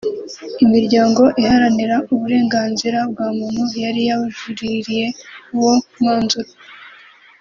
Imiryango iharanira uburenganzira bwa muntu yari yajuririye uwo mwanzuro